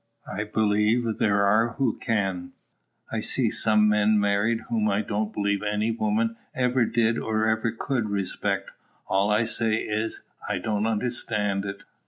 I believe there are who can; I see some men married whom I don't believe any woman ever did or ever could respect; all I say is, I don't understand it.